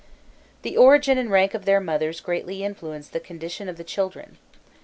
The origin and rank of their mothers greatly influenced the condition of the children.